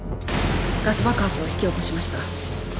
ガス爆発を引き起こしました。